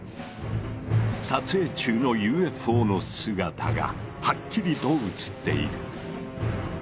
撮影中のＵＦＯの姿がはっきりと写っている。